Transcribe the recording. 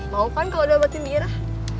mau kan kalau diobatin biirah